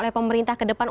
oleh pemerintah kedepan